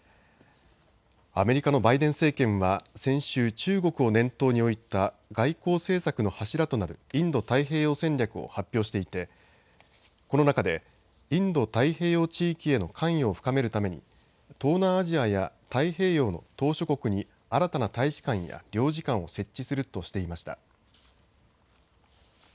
アメリカのバイデン政権は先週中国を念頭に置いた外交政策の柱となるインド太平洋戦略を発表していて、この中でインド太平洋地域への関与を深めるために東南アジアや太平洋の島しょ国に新たな大使館や領事館を設置するとしていました。